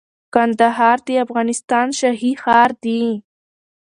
کندهار د افغانستان شاهي ښار دي